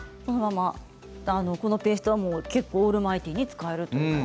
このペーストは結構オールマイティーに使えるんです。